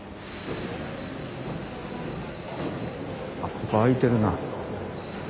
ここ開いてるな。